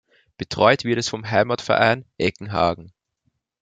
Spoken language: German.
Betreut wird es vom Heimatverein Eckenhagen.